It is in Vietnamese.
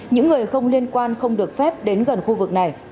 những người không liên quan không được phép đến gần khu vực này